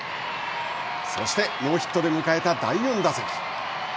そして、ノーヒットで迎えた第４打席。